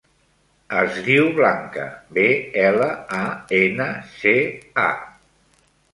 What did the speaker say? Es diu Blanca: be, ela, a, ena, ce, a.